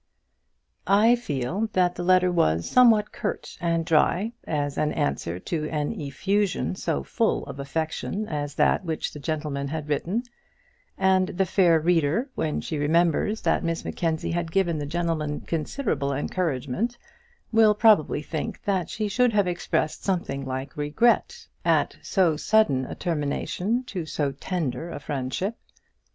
I feel that the letter was somewhat curt and dry as an answer to an effusion so full of affection as that which the gentleman had written; and the fair reader, when she remembers that Miss Mackenzie had given the gentleman considerable encouragement, will probably think that she should have expressed something like regret at so sudden a termination to so tender a friendship.